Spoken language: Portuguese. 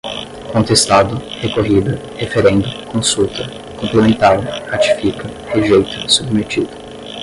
contestado, recorrida, referendo, consulta, complementar, ratifica, rejeita, submetido